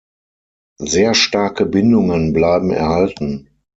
Sehr starke Bindungen bleiben erhalten.